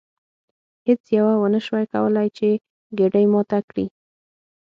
هیڅ یوه ونشوای کولی چې ګېډۍ ماته کړي.